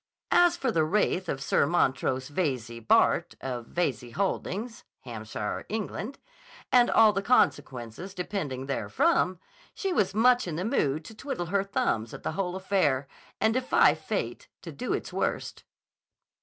As for the wraith of Sir Montrose Veyze, Bart., of Veyze Holdings, Hampshire, England, and all the consequences depending therefrom, she was much in the mood to twiddle her thumbs at the whole affair and defy fate to do its worst.